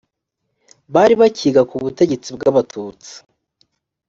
bari bakiga ku butegetsi bw abatutsi